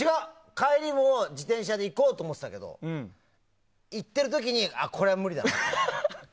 帰りも自転車で行こうと思ってたけど行ってる時にこれは無理だなと。